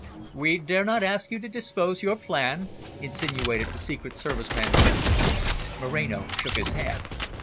"We dare not ask you to disclose your plan?" insinuated the Secret Service man gently. Moreno shook his head.